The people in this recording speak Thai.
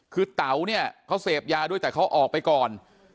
คือเต๋าเนี่ยเขาเสพยาด้วยแต่เขาออกไปก่อน